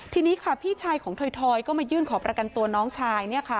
ทีนี้ค่ะพี่ชายของถอยก็มายื่นขอประกันตัวน้องชาย